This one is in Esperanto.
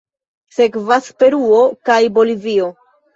Sekvas Peruo kaj Bolivio.